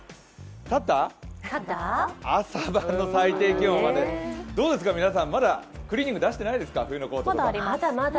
ただ、朝晩の最低気温は、どうですか皆さん、まだクリーニング出してないですか、冬のコートとかまだまだ。